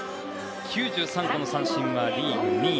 ９３個の三振はリーグ２位。